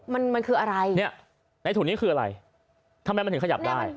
มันมันคืออะไรเนี่ยในถุงนี้คืออะไรทำไมมันถึงขยับได้